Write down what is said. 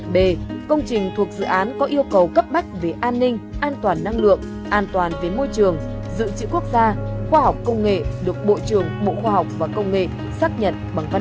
b công trình thuộc dự án có yêu cầu cấp bách về an ninh an toàn năng lượng an toàn về môi trường dự trữ quốc gia khoa học công nghệ được bộ trưởng bộ khoa học và công nghệ xác nhận